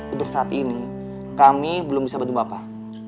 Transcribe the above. untuk saat ini kami belum bisa bantu bapak